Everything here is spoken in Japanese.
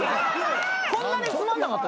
こんなにつまんなかった。